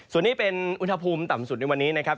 ส่วนนี้เป็นอุณหภูมิต่ำสุดในวันนี้นะครับ